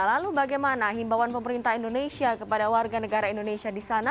lalu bagaimana himbawan pemerintah indonesia kepada warga negara indonesia di sana